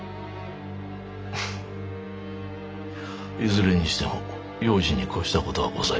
フッいずれにしても用心に越したことはございません。